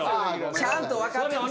ちゃんと分かってます。